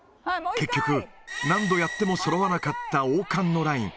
結局、何度やってもそろわなかった王冠のライン。